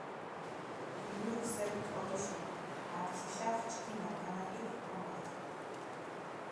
გილურქ სერით ტყობიშენ, ართიშახ ჩქიმ ამხანაგიქ ქომორთ.